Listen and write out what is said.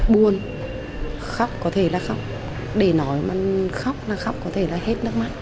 buồn khóc có thể là khóc để nói mà khóc là khóc có thể là hết nước mắt